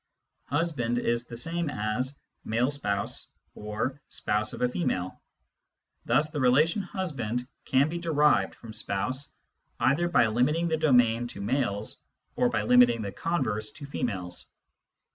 Husband is the same as male spouse or spouse of a female ; thus the relation husband can 42 Kinds of Relations 43 be derived from spouse either by limiting the domain to males or by limiting the converse to females.